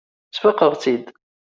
Sfaqeɣ-tt-id.